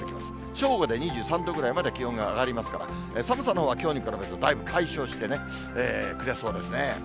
正午で２３度ぐらいまで気温が上がりますから、寒さのほうはきょうに比べると、だいぶ解消してくれそうですね。